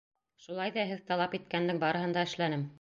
Шулай ҙа һеҙ талап иткәндең барыһын да эшләнем.